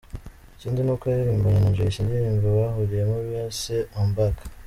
Ikindi ni uko yaririmbanye na Jay C indirimbo bahuriyemo bise ‘I Am Back’.